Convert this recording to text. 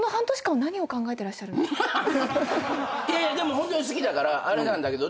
ホントに好きだからあれだけど。